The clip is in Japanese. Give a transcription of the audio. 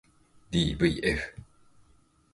ｄｖｆ